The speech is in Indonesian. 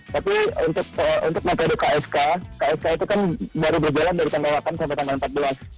tapi untuk metode ksk ksk itu kan baru berjalan dari tanggal delapan sampai tanggal empat belas